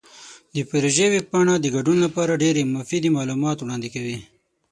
د پروژې ویب پاڼه د ګډون لپاره ډیرې مفیدې معلومات وړاندې کوي.